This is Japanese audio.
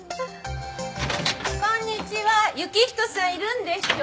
こんにちは行人さんいるんでしょ？